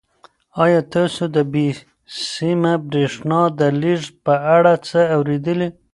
آیا تاسو د بې سیمه بریښنا د لېږد په اړه څه اورېدلي؟